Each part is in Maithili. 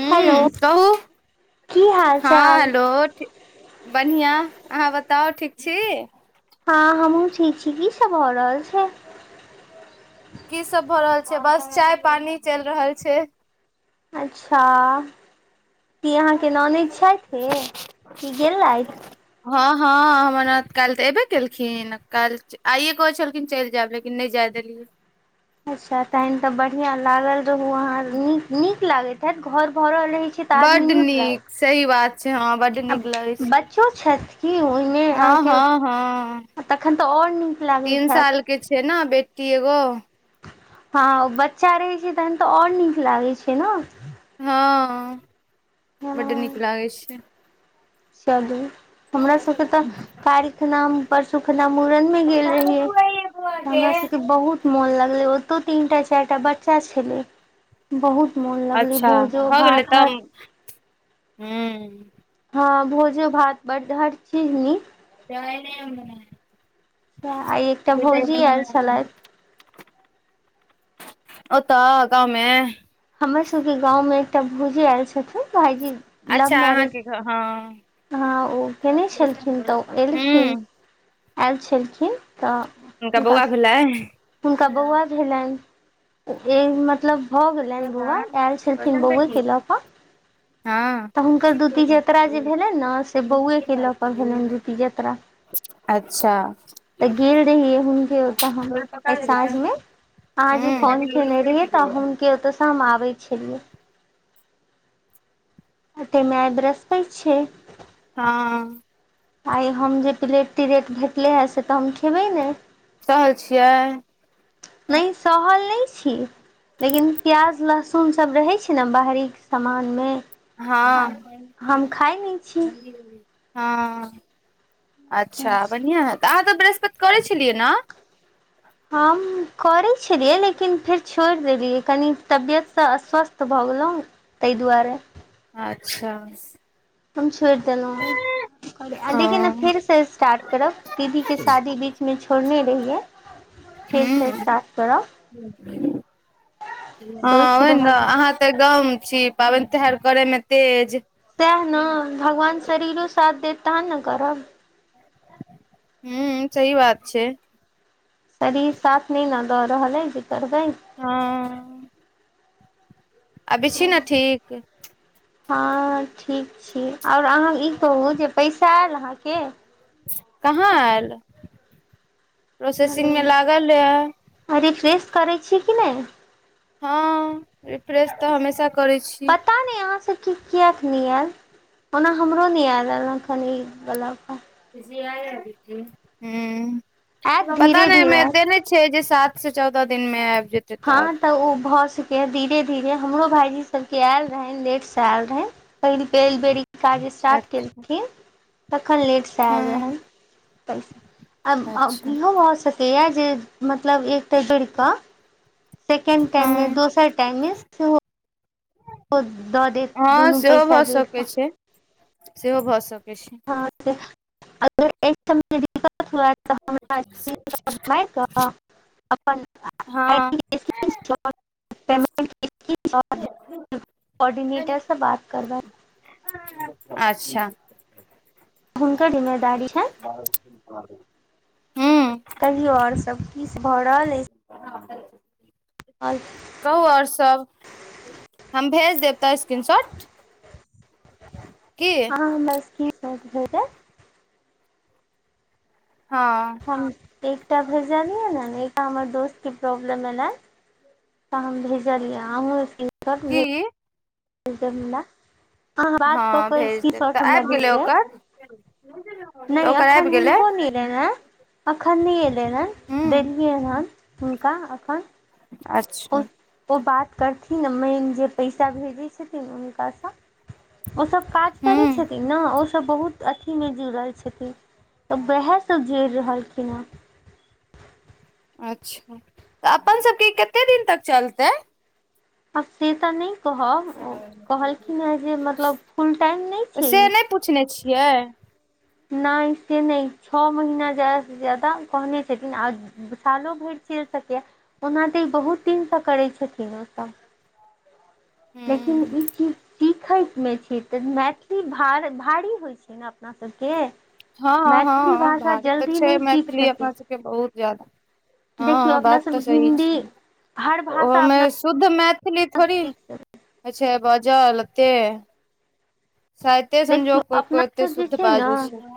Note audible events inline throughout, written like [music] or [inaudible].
हू हेलो कहू की हाल हँ चाल हेलो ठि बनीहा अहाँ बताउ ठीक छी हँ हमहुँ छीची किसब भऽ रहल छै की सब भ रहल छै बस चाय पानी चलि रहल छै अच्छा की अहाँके नोनेद छथि कि गेलथि हँ हँ हमरा काल्हि तऽ अयबे केलखिन काल्हि आइयए कह छलखिन चलि जायब लेकिन नहि जायै देलियै अच्छा तहन तऽ बढ़िया लागल रहू अहाँ न नीक लागैत हैत घर भरल रहै छी आदमी बड्ड नीक सही बात छै हँ बड्ड आ नीक लगै छै बच्चो छथि की ओहिने हँ अहाँके हँ हँ तखन तऽ आओर नीक लागैत हैत कि छै ने बेटी एगो हँ बच्चा रहै छै तहन तऽ आओर नीक लागै छै ने हँ बड्ड हँ नीक लागै छै चलू हमरा सबके तऽ कारिख नाम परशुखना मुड़न मे गेल रहियै हमरा सबके बहुत मोन लागलै ओ तो तीन्टा चारि टा बच्चा छल बहुत मोन लगले भोजो भात हात हू हँ भोजो भात बडड हर चीज नीक जा नहि आ एकटा भौजी एल छलैथ ओ तऽ गाममे हमर सबके गाँवमें एकटा भौजी आयल छथिन भाईजी लव अच्छा मैरेज अहाँके घर? हँ हँ ओ केयने छलखिन तऽ हूं ओएलखिन आयल छलखिन तऽ हुनका बौआ भेलै हुनका बौआ भेलनि एक मतलब भऽ गेलनि बौआ आयल छलखिन बौआए के लऽ कऽ हँ तऽ हुनकर दूति जत्ररा जे भेलनि ने से बौए के लऽ कऽ भेलनि द्यूती जत्रा अच्छा तऽ गेल रहियै हुनके ओ तऽ हम एहि साझमे अहाँ जे हूं फोन केने रहियै तऽ हुनक ओतयसँ हम आबै छलियै तेमे आइ ब्रसपैत छै हँ आइ हम जे प्लेट तिरेट भेटलै हे से तऽ हम खेबै ने सहल छियै नहि सहर नहि छी लेकिन प्याज लहसुनसभ रहैत छै ने बाहरी के सामानमे हँ हम खाइ नहि हँ अच्छा छी बधि आ ह तऽ अहाँ तऽ बृहस्पति करै छलियै ने हम करैत छलियै लेकिन फेर छोड़ देलियै कनि तबियतसँ अस्वस्थ भऽ गेलहुँ तहि दुआरे अच्छा हम छोड़ देलहुँं ओ लेकिन हूं फेर से स्टार्ट करब दीदी के शादी नहि छोड़ने रहियै। हु फेरसँ स्टार्ट करब हँ सोचि ओह ने रहल छी। अहाँ त गाँव छी पाबनि तिहार करे मे तेज सएह ने भगवान शरीरो साथ देत तहन ने करब। हू सहि बात छै शरीर साथ नहि न दऽ रहल है जे करबै हँ अभी छी ने चलू ठीक। हँ ठीक छी ओर अहाँ ई कहू जे पैसा आयल अहाँके की कहाँ आयल प्रोसेसिंग मे लागल आ रिफ्रेश करै छीयै कि नहि हँ रिफ्रेश तऽ हमेशा करै छी। पता नहि अहाँ सब क किए नहि आयल ओना हमरो नहि आयल एल हँखन ई बला पर। ह आयत पता धीरे नहि [unintelligible] धीरे मै आयत देने छै जे सात से चौदह दिन मे आब जेते हँ तऽ ओ भए सक हे धीरे धीरे हमरो भाईजी सबके आयल रहेन लेट से आयल रहेन कैनी [unintelligible] पेल बेै ई काज स्टार्ट अच्छा केलखिन कखन लेटसँ आयल हँ रहे पैसा आ अच्छा इहो भऽ सकैए जे मतलब एकटा जुड़कऽ सेकंड टाइम मे हँ दोसर टाइम मे देत हँ दुनू सेहो पैसा भऽ जोड़ि कऽ सकै छै सेहो भऽ सके छै अगर दिक [inaudible] त हम बक अपन हँ [inaudible] इस ब कोर्डिनेटरसँ बात करबै [inaudible] अच्छा हुनकर जिम्मेदारी अए ब [unintelligible] कहियो और सब किछ भऽ रहल अछि। आल [unintelligible] कहु ओर सब हम भेज देब तो स्क्रीन शॉट की हँ बस [unintelligible] की कहतै हँ एकटा भेजलियै ने ने एकटा हमर दोस्त के प्रॉब्लम एलै त हम भेजलियै [unintelligible] हम की भे अहाँ बात कऽ हँ कऽ भेज स्क्रीन देब तऽ शॉर्ट हमरा आबि भेज गेलै देब। ओकर तऽ नहि ओकर एखन आबि गेलै हुनको ने एलनि हे एखन नहि एलनि हेँ हूँ देलियै हन ' हुनका अखन अच्छा ओ बात करथिन मेन जे पैसा भेजै छथिन हुनकासँ ओसभ काज करै हूँ छथिन ने ओसभ बहुत अथी नहि जुड़ल छथिन तऽ वएह सभ जुड़ रहलखिन हेँ, अच्छा तऽ अपन सबके कते दिन तक चलतै आब से तऽ नहि कहब कहलखिन हेँ जे मतलब फुल टाइम नहि छै पूछने छियै नहि से नहि छओ महीना जादासँ जादा कहने छथिन आ सालो भैर चैल सकैए ओना तऽ ई बहुत दिनसँ करै छथिन ओ सभ लेकिन हूँ ई ची सीखैतमे छी तऽ मैथिली भा भारी होइत छै ने अपना सभ केँ हँ हँ भारी तऽ छै सीख मैथिली सकै अपना सबके बहुत ज्यादा देखियौ हँ अपना बात सब तऽ सही हिन्दी छै हर ओहो भाषा मे अपना शुद्ध मैथिली थोड़ी सीख सकै होइ छै बजल ओते सायते देखियौ संजोग कोइ अपना कोइ एतै सब जे शुद्ध छै ने बाजू छै अपना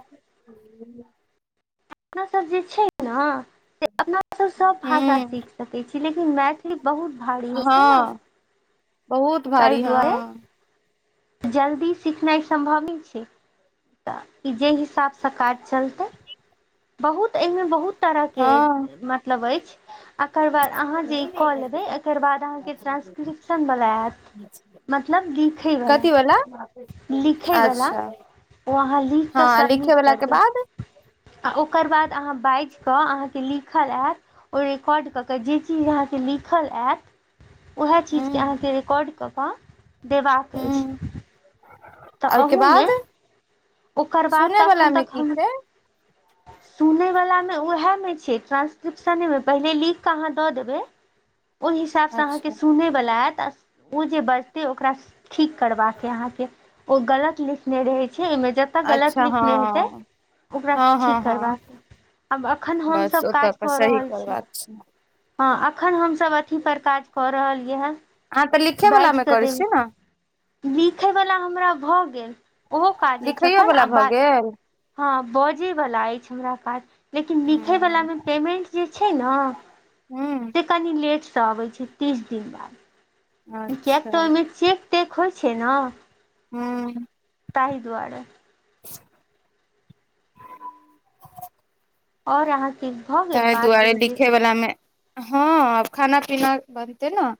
अपना सब जे छै ने से अपना सब सब भाषा हूँ सीख सकैत छी लेकिन मैथ ख बहुत भारी होइ छै ने हँ बहुत ताहि भारी हँ दुआरे जल्दी सिखनाइ सम्भवे छै तऽ ई जे हिसाबसँ काज चलतै बहुत एहिमे बहुत तरह‌ हँ केँ मतलब अछि एकर बाद अहाँ जे ई कऽ लेबै एकर बाद अहाँके ट्रा्सक्रिप्शन बला आयत मतलब लिखैवला कथी वला लिखैवला अच्छा ओ अहाँ लिख कऽ हँ लिखे सबमिट वला कर के देै बाद आ ओकर बाद अहाँ बाज कऽ अहाँके लिखल आयत ओ रिकॉर्ड कऽ कऽ जे चीज अहाँकेँ लिखल आयत उएह हूँ चीजके अहाँके रिकॉर्ड कऽ कऽ देबाक अछि तऽ आ ओहिके बाद अहूमे ओकर बाद सुने वला मे की छै सुनै वलामे ओएहमे छै ट्रान्सक्रिप्शनेमे पहिले लिख कऽ अहाँ दऽ देबै ओहि हिसाबसँ अहाँके अच्छा सुनैवला आयत आ ओ जे बजतै ओकरा ठीक करबाक अइ अहाँके ओ गलत लिखने रहै छै ओहिमे जब ओतऽ गलत अच्छा नीक नहि हेतै हँ ओकरा हँ हँ ठीक हँ करबाक आब अखन बस हमसभ ओतऽ काज पर कऽ सही रहल छी करबाक छै हँ एखन हमसभ अथी पर काज कऽ रहलियै ह अहाँ तऽ लिखे वला बाज मे कऽ करै देब छियै ने लिखयवला हमरा भऽ गेल ओहो काज अछि लिखैयो छैखन वला आ भऽ बा गेल हँ बजैवला अछि हमरा काज लेकिन लिखयवलामे हूँ पेमेन्ट जे छै ने हू से कनि लेट से अबै छै तीस दिन बाद कियैकि अच्छा तऽ ओहिमे चेक तेक होइ छै ने हू ताहि दुआरे और अहाँ तहि दुआरे लिखे वला मे हँ खाना पीना बनते ने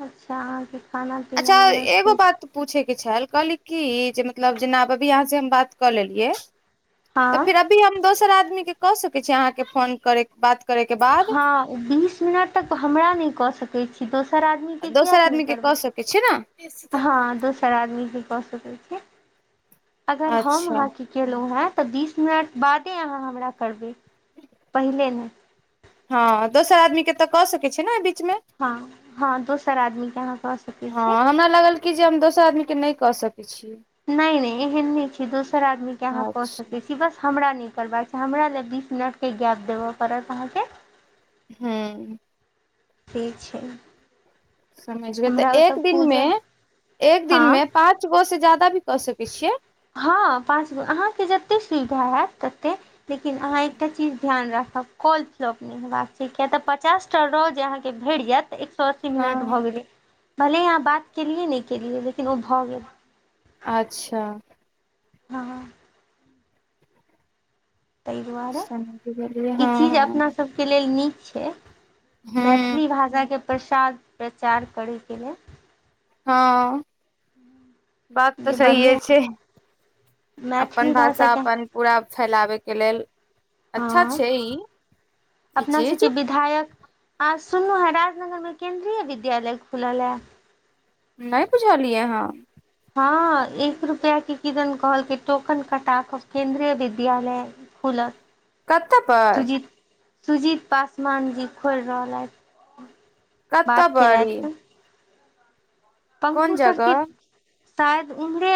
अच्छा अहाँ केँ खाना पीना बनै छै पूछेके छल कहली की जे मतलब जेनाब अभी अहाँ से हम बात कऽ लेलियै तऽ हँ फेर अभी हम दोसर आदमी के कऽ सकैत छी अहाँके फोन करेक बात करयके बाद हँ बीस मिनट तक हमरा नहि कऽ सकैत छी दोसर आदमीके किएक नहि करबै किछ ने हँ दोसर आदमी भी कऽ सकै छै अगर हम अच्छा अहाँके केलहुँ हँ तऽ बीस मिनट बादे अहाँ हमरा करबै पहिले ने हँ दोसर आदमी के तऽ कऽ सकैत छै ने बीच मे हँ हँ दोसर आदमी के अहाँ क सकै छीये हँ हमरा लागल की जे हम दोसर आदमीके नहि कऽ सकैत छीयै नहि नहि एहन नहि छै दोसर आदमी के अहाँ कऽ सकैत अच्छा छी कि बस हमरा नहि करबाक छैह हमरा लए बीस मिनट केँ गैप देबे पड़त अहाँ केँ हँ ठीक छै समझ गेल तऽ हमरा ओतय एक दिनमे पूजा एक हँ दिनमे पाँच गो से जादा भी कऽ सकै छियै हँ पासबुक अहाँ केँ जतेक सुविधा हैत ततेक लेकिन अहाँ एकटा चीज ध्यान राखब कॉल [unintelligible] नहि हेबाक छै किए तऽ पचास टा रोज अहाँ केँ भेट जायत सए अस्सी मिनट भऽ हँ गेलै भले अहाँ बात केलियै नहि केलियै लेकिन ओ भऽ गेल अच्छा हँ ताहि दुआरे समझि गेलियै ई हँ चीज अपना सब के लेल नीक छै हँ मैथिली हूँ भाषाके प्रसाद प्रचार करैके लेल हँ बात तऽ जे सहिए बढ़िआँ छै अपन मैथिली भाषा भाषाके अपन पूरा फैलावै के लेल अच्छा हँ छै ई ई अपना चीज सबके विधायक आ सुनलहु है राजनगर में केंन्द्रीय विद्यालय खुलल है नहि बुझलियै हाँ हँ एक रुपआ के किदन कहलकै टोकन कटा कब केन्द्रीय विद्यालय खुला कतऽ पर सुजीत सुजीत पासवान जी खोल रहलथि कत बात बड़ी केलथि पंकु सरके जगह शायद उमरे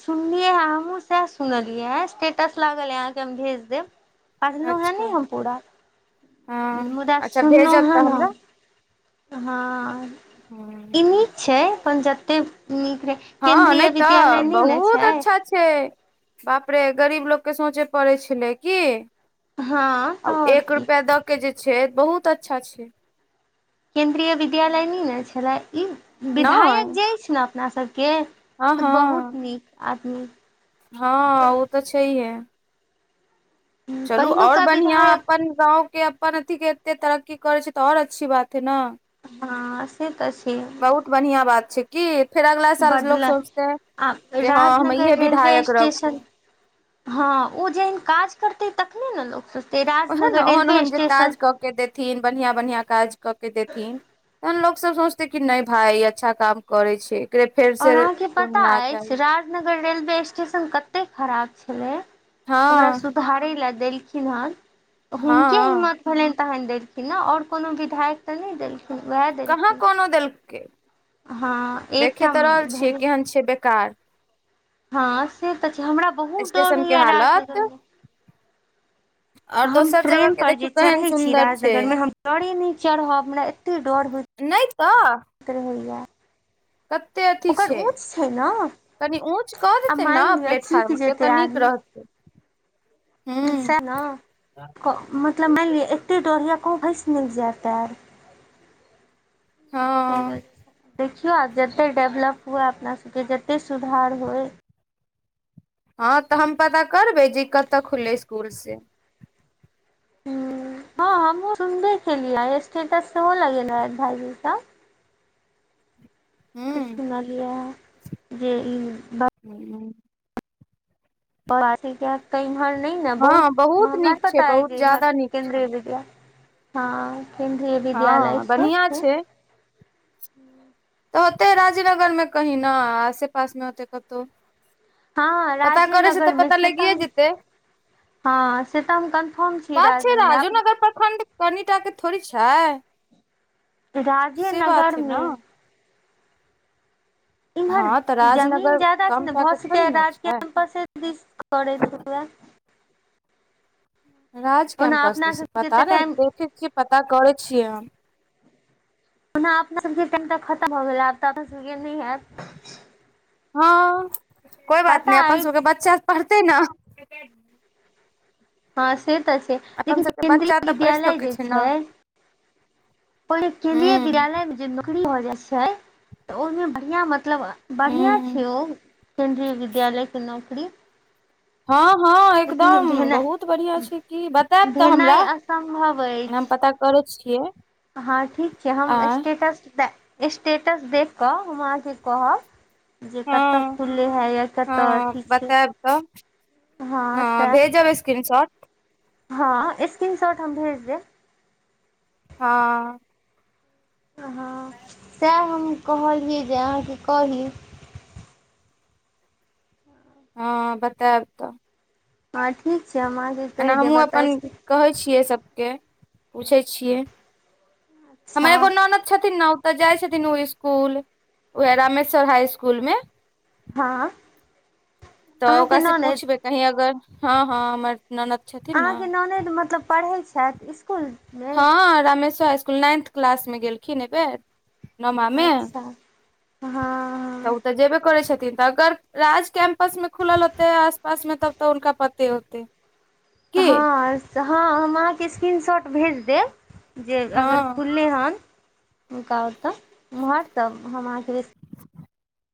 सुनलियै हमहूँ सएह सुनलियै ह स्टेटस लागल अहाँके हम भेज देब पढ़लहुँ हेँ अच्छा ने हम पूरा हँ मुदा अच्छा सुनलहुँ भेजब तऽ हेँ हमरा हम हँ ई हँ नीक छै अपन जतेक नीक रहै हँ नहि केन्द्रीय विद्यालय तऽ नहि ने बहुत छै अच्छा छै बाप रे गरीब लोके सोचे पड़ै छलै की हँ तऽ आ आओर एक की रुपआ दऽ के जे छै बहुत अच्छा छै केन्द्रीय विद्यालय नहि ने छलै ई विधायक नहि जे अछि ने अपना सभ केँ हँ से बहुत हँ नीक आदमी हँ ओ तऽ छैहे चलू ओर पहिलुका बढ़िआं विधायक अपन गाँंव के अपन अथी के एते तरकी करै छै तऽ ओर अच्छी बात है ने हँ से तऽ छै बहुत बढ़िया बात छै की फेर अगला साल लोक बदलल सोचते आ जे हँ हम राजनगर इहे रेलवे विधायक रहब स्टेशन हँ ओ जेहन काज करतै तखने ने लोक सोच ओहन राजनगर ओहन रेलवे ओहन जे स्टेशन काज कऽ के देथिन बढ़िआं बढ़िआँ काज कऽ के देथिन तहन लोक सब सोचते कि नहि भाय अच्छा काम करै छै एके फेर और से अहाँके पता सुनना अछि चाही राजनगर रेलवे स्टेशन कते खराब छले ओकर हँ सुधारे लए देलखिन हन हुनके हँ हिम्मत भेलिन तहन देलखिन नेँ ओर कोनो विधायक तऽ नहि देलखिन ओएह देलखिन ओ देलके हँ एकटा भेल तहन छै बेकार [unintelligible] हँ से तऽ छै हमरा बहुत डौर स्टेशन के होइया हालत राजनगर मे और हम दोसर जगह ट्रेन के पर जे देखियौ केहन चढै छी सुन्दर छै राजनगर मे हम डोरे नहि चढ़ब हमरा एतेक डोर होइय नहि तऽ क होइआ [unintelligible] कतेक अथी छै ने कनी ऊँच कऽ आ देतै ने मानि लिअ चुकि प्लेटफारर्म के जेतै तऽ नीक रहतै हूँ सै ने मतलब मानि लिअ एते डरिया कह भैंस निक जातेर [unintelligible] ओ हँ बस [unintelligible] देखियो आब जते डेवलप हुए अपना सबके जते सुधार होइ हँ तऽ हम पता करबे जे कत खुले स्कूल से हू हं हमहु सुनबे केलिया स्टेटस सेहो लगेलरह भाई जी सब हूँ सुनालिया जे ई ब हू आओ आसके [unintelligible] तऽ इमहर नहि ने बहुत हँ हमरा नीक छै पता है बहुत जे इमहर ज्यादा नीक छै केन्द्रीय विद्यालय हँ केन्द्रीय विद्यालय हँ सब छै बढ़िया बहुत तऽ होतै राजीनगर मे कही न आसे पास मे होतै कतौ हँ पता करै छै राजेनगर तऽ मे पता से लागिए हम जेतै हँ से तऽ हम कन्फर्म छी राजनगरमे आ [unintelligible] कनीटाक के थोड़ी छै से बात राजेनगर है न मे इम्हर हँ तऽ जमीन राजनगर ज्यादा छै कम ने टा भऽ के थोड़ी सकै न राज छै कम्पसे दिस करैत हुए राज ओना कैंपस अपना दिस सबके पता तऽ ने टाइम देखे छियै पता करै छियै हम ओना अपना सबके टाइम त खत भ गेल हयत तऽ अपना सबके गेल नहि हयत हँ कोई बात पता नहि अपन अछि सबके बच्चा पढ़तै ने हँ से तऽ छै अपन लेकिन सबके बच्चा केन्द्रीय तऽ पढ़ि विद्यालय सकै जे न छै पर केन्द्रीय हूँ विद्यालय में जे नौकरी भए जाइ छै तऽ ओहिमे बढ़िया म मतलब बढ़िया हूँ छै ओ केन्द्रीय विद्यालयके नौकरी हँ हँ लेकिन एकदम बहुत भेनाइ बढ़िया छै की बतायब तऽ हमरा भेनाइ असम्भव हम अछि पता करै छियै हँ ठीक छै हम आँय स्टेटस स्टेटस देख कऽ हम अहाँके कहब जे हँ कतय खुले हइ या हँ कतय अथी छै बतायब तऽ हँ भेजब स्क्रीन शॉट हँ स्क्रीन शॉट हम भेज देब हँ ह हँ [inaudible] सएह हम कहलियै जे अहाँके कही हँ बतायब तऽ हँ ठीक छै हम अहाके एना हमहूँ अपन कहै छियै सभके पूछै छियै हमर अच्छा एगो ननद छथिन न ओ तऽ जाइ छथिन ओ स्कूल उएह रामेश्वर हाई स्कुल मे हँ तऽ अहाँके ओकरास से ननैद पूछबै कही अगर हँ हँ हमर ननद छथिन न अहाँके ननैद मतलब पढ़ै छथि इसकुलमे हँ रामेश्वर स्कुल नाइंथ क्लास मे गेलखिन एहि बेेर अच्छा हँ तऽ ओ तऽ जेबे करै छथिन तऽ अगर राज कैम्पस में खुलल होते आस पास मे तब तऽ हुनका पते होते हँऽ हँ हम अहाँके स्क्रीनशॉट भेज देब जे हँ अगर खुललै हन हुनका ओतऽ उम्हर तब हम अहाँके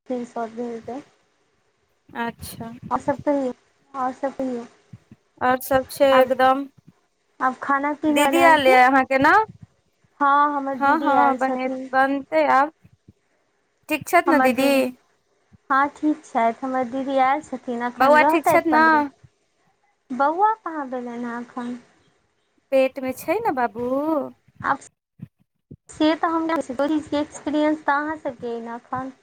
स्क्रीनशॉट भेज देव आच्छा और सब कहिए आओर सब कहिये और सब छै एकदम आब खाना पीना दीदी बनायब आल की य अहाँ के न हँ हमर हँ दीदी हँ आयल बने छथिन बनते आब ठीक छथि ने हमर दीदी हँ ठीक छथि हमर दीदी आयल छ न एखन बौआ ठीक रहतै छथि ने पन्द्रह बौआ कहाँ भेलै ह एखन पेट मे छै ने बाबू आ से तऽ हम एक्सपीरियंस तऽ अहाँ सबके खान [unintelligible] [unintelligible]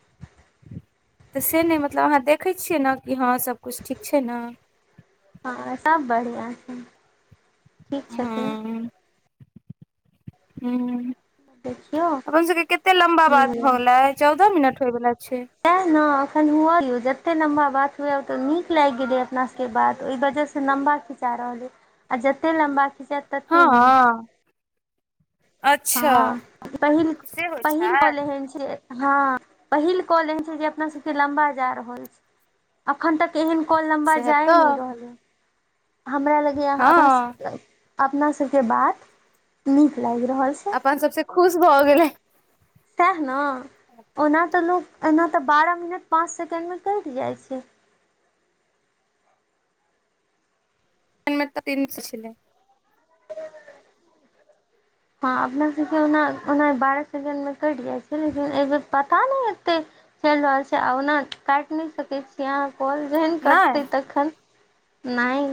तऽ से नहि मतलब आहाँ देखै छियै न कि हँ सबकुछ ठीक छै न हँ सब बढ़िया छै ठीक छथिन हँ ह देखियौ अपन सबके कते लम्बा की बात भऽ गेलै चौदह मिनट होय वला छै तह ने अखन हुए य जते लम्बा बात हुए ओते नीक लागि गेलै अपना सब के बात ओहि वजह से लम्बा खिचा रहल आ जते लम्बा खिचा हँ अच्छा हँ पहिल से होइ पहिल छै बोल हन हँ पहिल कॉल एन छै जे अपना सबके लम्बा जा रहल छै अखन तक एहन कोल लम्बा सएह जाय नहि तऽ रहलै हमरा लगैए अपना हँ अपनासब के बात नीक लागि रहल छै सब से खुश भऽ गेलै सएह न ओना तऽ लोक एना तऽ बारह मिनट पाँच सेकेण्डमे कट जाइत छै हेलमेट तीन छै [unintelligible] ह [unintelligible] हँ अपना सबके ओना ओना बारह सेकेंड मे कटि जाइ छै लेकिन एहि बेर पता नहि एतै चल रहलल छै आ ओना काटि नहि सक यहाँ कोल जेहन नहि कटतै तखन नहि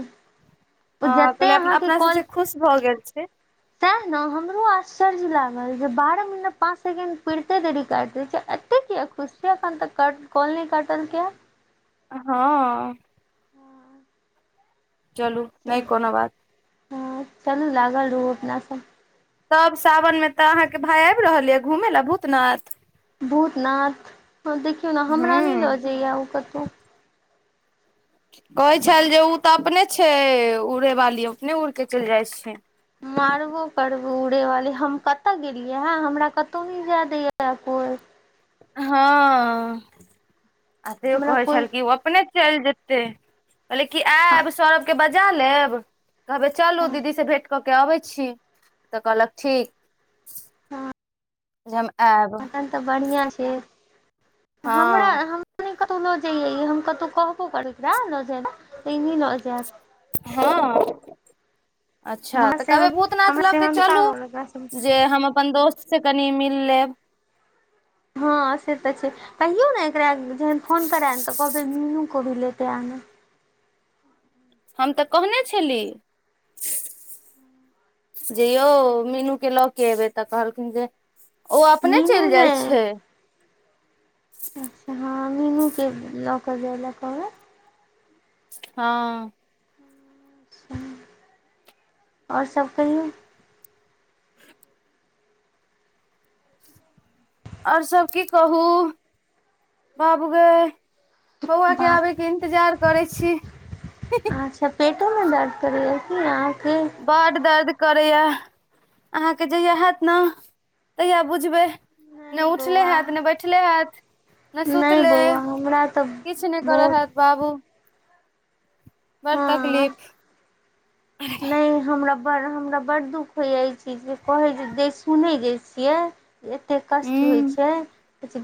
ह त जते कहले अहाँके अपना सबसँ खुश भऽ गेल छै तैँ न हमरो आश्चर्य लागल जे बारह मिनट पाँच सेकेण्ड पुड़ते देरी काट द छै कत किया खुश छै खन तऽ कॉलनै कटलेकैया हँ चलू नहि कोनो बात हँ चलू लागल रहु अपना सब तब सावन में तऽ अहाँके भाय आबि रहल यऽ घूमेला भूतनाथ भूतनाथ देखियौ ने हमरा नहि लऽ हूँ जाइएा ओ कतहु कहै छएल जे ओ तऽ अपने छै उड़ वाली अपने उड़के चलि जाइत छियै मारबो करबौ उड़ेवाली हम कतऽ गेलियै हँ हमरा कतहु नहि जाय दैय कोई हँ आ तयो हमरा कहै कोइ छल खि ओ अपने चलि जेतै कहले कि हँ आयब सरभ के बजा लेब कहबै चलू दीदीसँ भेँट कऽ के अबै छी तऽ कहलक ठीक हँ जे हम आब बढ़ीया छै हमरा हँ नहि कतहु लऽ जइयै हम कतहु कहबो करै एकरा लऽ जायब तऽ एह लऽ जायत हँ अच्छा हमरा तऽ कहबै सेहन भूतनाथ हमरा लऽ के सेहनता चलू होल एकरा सब जे हम अपन दोस्त से कनि मिल लेब हँ से तऽ छै कहियौ ने एकरा जहन फोन करै ह ने तऽ कहबै मीनू को भी लेते आना हम तऽ कहने छली जे यौ मीनूके लऽ केऽ एबै तऽ कहलखिन जे ओ अपने मीनू चलि जाइत नहि छै अच्छा हँ मेनूके लऽ कऽ जाय लए कहबै हँ आओर सब कहियो आओर सब की कहू बाबु गई बौआ के बात आबैके इन्तजार करै छी पेटो में दर्द करै य की आहके बड़ दर्द करैया अहाँकेँ जहिया हत ने तहिया बुझबै। नहि उठले होत ने बैठले हयैत ने नहि सुतले बौआ हमरा तऽ किछु नहि करऽ बहुत हयैत। बाबू। बड़ हँ तकलीफ। नहि। हमरा बड़, हमरा बड़ दुःख होइए, ई चीज जे कहैत जे सुनैत जाइत छियै। एते कष्ट हूँ होइ छै,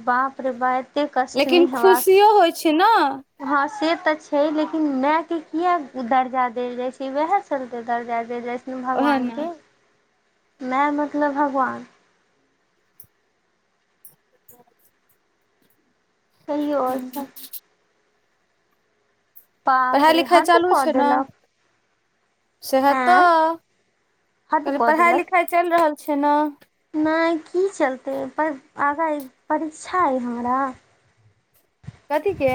बाप रे बात। कतेक कष्ट नै लेकिन हव खुशियो होइ छै ने हँ, से तऽ छै। लेकिन मायके किया दर्जा देल जाय छै वएह। चलते दर्जा जे जइसन ओएह भगवान ने के माय मतलब भगवान [inaudible] कहियौ आओर हूँ सब बाप पढ़ाइ रे लिखाइ हद चालू कऽ छै ने? देलक सेहे आँय तऽ, हद कहलोए कऽ पढ़ाइ देलक लिखाइ चलि रहल छै ने। नहि की चलतै पर आगा परीक्षा अइ हमरा। कथीके?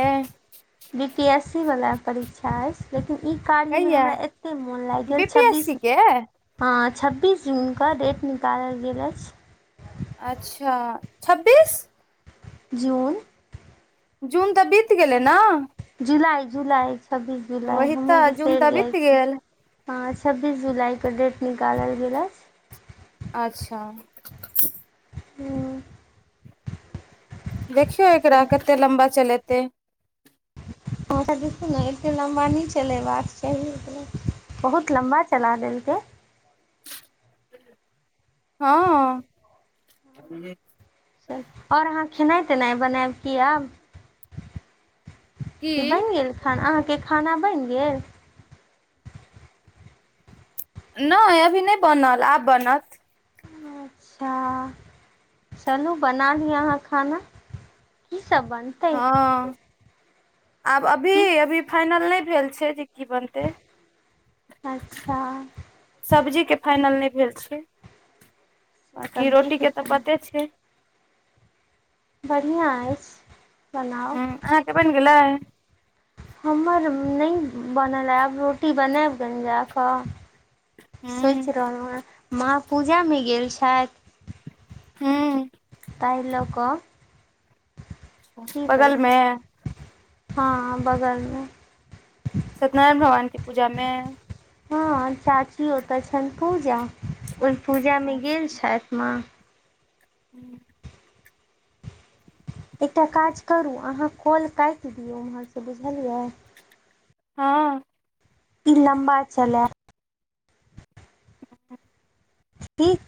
बीपीएससी वला परीक्षा। लेकिन ई कार्यमे कहिया हमरा एतेक मोन लागि बी गेल पी एस छब्बीस। सी के हँ, छब्बीस जूनके डेट निकाल गेल अछि। अच्छा, छब्बीस। जून। जून तऽ बीत गेलै ने। जुलाई जुलाई छब्बीस जुलाई वही हमहुँ तऽ जून बिसरि तऽ जाइ बीत छी। गेल ह, छब्बीस जुलाईके डेट निकाल गेल अछि। अच्छा। ह। देखियौ एकरा कते लम्बा चलेते। अहाँ देखू ने एतेक लम्बा नहि चलै बक चाही ओतना बहुत लम्बा चला देलकै। हँ। आओर अहाँ खेनाइ तेनाइ बनायब कि आब। की ई बनि गेल खाना अहाँकेँ खाना बनि गेल नहि अभी, नहि बनल, आब बनत। अच्छा। चलू बनालिए अहाँ खाना कीसभ बन? हँ, आब अभी, की अभी फाइनल नहि भेल छै जे। की बनतै। अच्छा सब्जीके फाइनल नहि भेल छै, बकि सब्जीके रोटीके तऽ पते संग छै। बढ़िआँ अछि, बनाउ। अहाँकेँ बन गेलै। हमर ने बनल यिय, अब रोटी बनाब जा कऽ सोचि ह रहलो माँ पूजामे गेल छइथ। हँ। तहि लोक छै बगल मे बाएसल। हैं। बगलमे। सत्यनारायण भगवानके पूजा मे? हँ, चाची ओतय छनि पूजा, ओहि पूजामे गेल छथि माँ हूँ। एकटा काज करू आहा कॉल काटि दियौ उम्हरसँ बुझलियै? हँ। ई लम्बा चलइत। ठीक।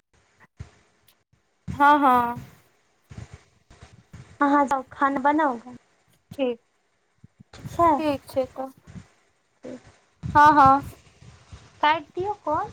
हँ, हँ। हाँ त खाना बनाउ ठीक ठीक छै तऽ हँ हँ कट दिऔ फोन